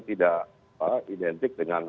tidak identik dengan